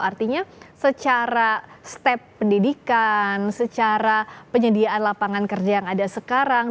artinya secara step pendidikan secara penyediaan lapangan kerja yang ada sekarang